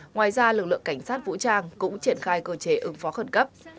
ngoài ra lực lượng cảnh sát vũ trang cũng triển khai cơ chế ứng phó khẩn cấp